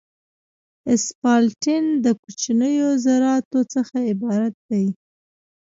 اسفالټین د کوچنیو ذراتو څخه عبارت دی